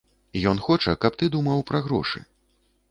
Ён хоча, каб ты думаў пра грошы.